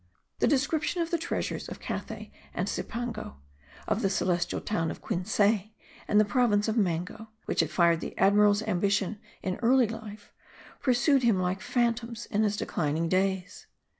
The description of the treasures of Cathay and Cipango, of the celestial town of Quinsay and the province of Mango, which had fired the admiral's ambition in early life, pursued him like phantoms in his declining days.